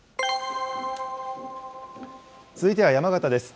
続いては山形です。